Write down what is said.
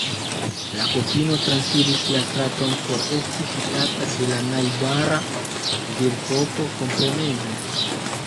La kokino transiris la straton por esti fikata de la najbara virkoko, kompreneble.